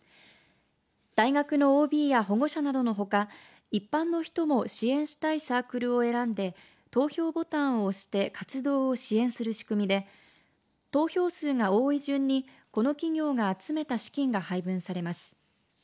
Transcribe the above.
大学のＯＢや保護者などのほか一般の人も支援したいサークルを選んで投票ボタンを押して活動を支援する仕組みで投票数が多い順にこの企業が集めた資金が配分されます。